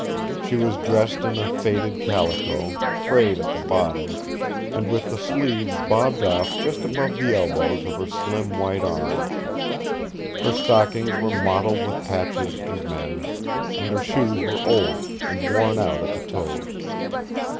She was dressed in a faded calico, frayed at the bottom, and with the sleeves bobbed off just above the elbows of her slim white arms. Her stockings were mottled with patches and mends, and her shoes were old, and worn out at the toes.